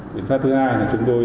biện pháp thứ hai là chúng tôi